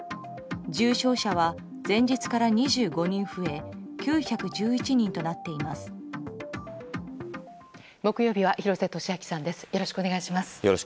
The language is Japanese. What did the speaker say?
重症者は前日から２５人増え９１１人となっています。